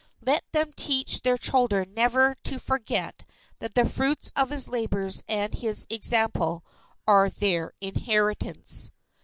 Let them teach their children never to forget that the fruits of his labours and his example, are their inheritance.